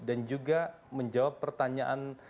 dan juga menjawab pertanyaan